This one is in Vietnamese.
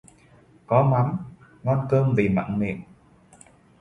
Có mắm, ngon cơm vì mặn miệng